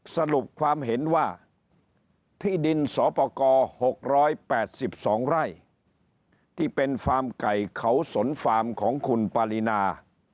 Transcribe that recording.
สรุปความเห็นว่าที่ดินสอปกร๖๘๒ไร่ที่เป็นฟาร์มไก่เขาสนฟาร์มของคุณปารีนา